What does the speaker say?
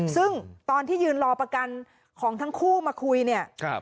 ซึ่งตอนที่ยืนรอประกันของทั้งคู่มาคุยเนี่ย